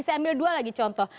saya ambil dua lagi contoh